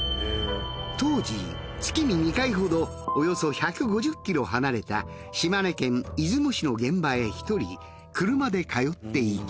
当時月に２回ほどおよそ１５０ｋｍ離れた島根県出雲市の現場へ１人車で通っていた。